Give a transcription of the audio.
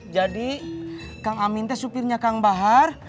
jadi kang amin teh supirnya kang bahar